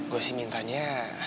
gua sih minta nya